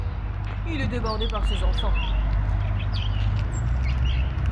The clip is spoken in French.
Il est débordé par ces enfants.